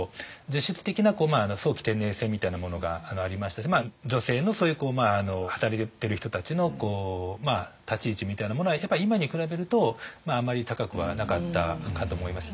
実質的な早期定年制みたいなものがありましたし女性のそういう働いてる人たちの立ち位置みたいなものはやっぱり今に比べるとあんまり高くはなかったかと思います。